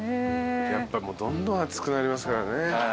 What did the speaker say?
やっぱりもうどんどん暑くなりますからね。